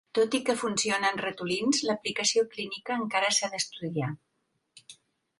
Tot i que funciona en ratolins, l’aplicació clínica encara s’ha d’estudiar.